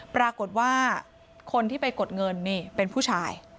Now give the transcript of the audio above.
ปรากฏว่าคนที่ไปกดเงินนี่เป็นผู้ชาย